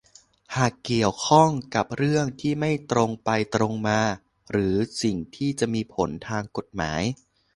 หากเกี่ยวข้องกับเรื่องที่ไม่ตรงไปตรงมาหรือสิ่งที่จะมีผลทางกฎหมาย